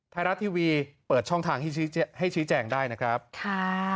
ไทยรัฐทีวีเปิดช่องทางที่ให้ชี้แจงได้นะครับค่ะ